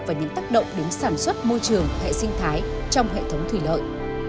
và những tác động đến sản xuất môi trường hệ sinh thái trong hệ thống thủy lợi